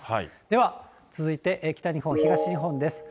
では続いて、北日本、東日本です。